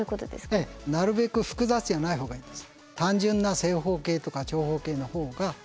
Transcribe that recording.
ええなるべく複雑じゃないほうがいいんです。